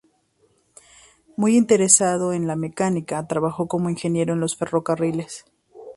Muy interesado en la mecánica, trabajó como ingeniero en los ferrocarriles.